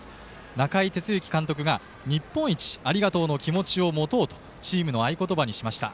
中井哲之監督が日本一ありがとうの気持ちを持とうとチームの合言葉にしました。